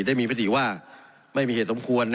ได้มีมติว่าไม่มีเหตุสมควร